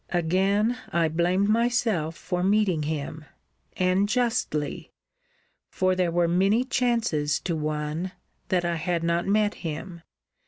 Again I blamed myself for meeting him: and justly; for there were many chances to one, that I had not met him.